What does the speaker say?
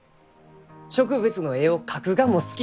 植物の絵を描くがも好き。